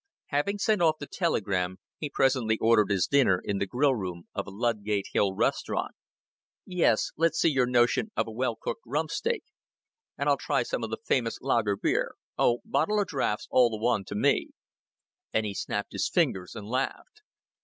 Having sent off the telegram, he presently ordered his dinner in the grill room of a Ludgate Hill restaurant. "Yes, let's see your notion of a well cooked rumpsteak. And I'll try some of the famous lager beer.... Oh, bottle or draught's all one to me;" and he snapped his fingers and laughed.